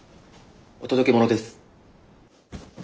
お届け物です。